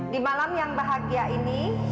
di malam yang bahagia ini